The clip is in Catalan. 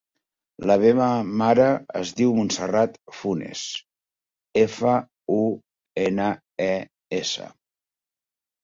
La meva mare es diu Montserrat Funes: efa, u, ena, e, essa.